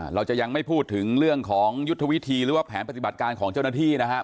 เราจะยังไม่พูดถึงเรื่องของยุทธวิธีหรือว่าแผนปฏิบัติการของเจ้าหน้าที่นะครับ